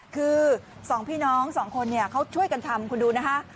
คือ๒พี่น้อง๒คนเขาช่วยกันทำคุณดูนะคะ